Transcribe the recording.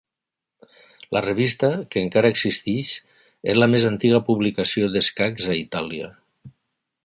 La revista, que encara existeix, és la més antiga publicació d’escacs a Itàlia.